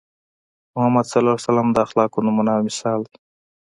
محمد ص د اخلاقو نمونه او مثال دی.